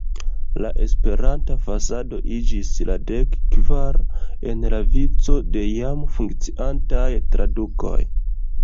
La Esperanta fasado iĝis la dek-kvara en la vico de jam funkciantaj tradukoj.